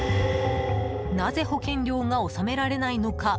なぜ保険料が納められないのか。